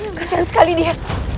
ya allah kesian sekali dia